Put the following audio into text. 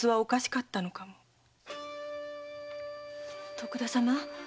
徳田様